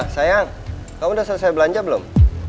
sayang kamu udah selesai belanja belum